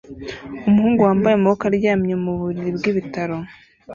Umuhungu wambaye amaboko aryamye mu buriri bw'ibitaro